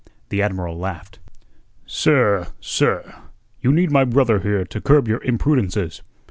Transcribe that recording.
The Admiral laughed. "Sir, sir, you need my brother here to curb your imprudences.